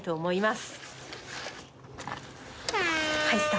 はい。